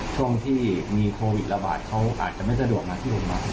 ช่วงที่มีโควิดระบาดเขาอาจจะไม่สะดวกมาที่โรงพยาบาล